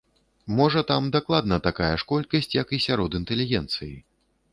Можа, там дакладна такая ж колькасць, як і сярод інтэлігенцыі.